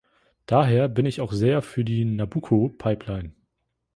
Daher bin ich auch sehr für die Nabucco-Pipeline.